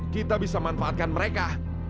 kita bisa manfaatkan mereka